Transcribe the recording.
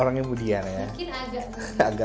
mungkin moodyannya tergila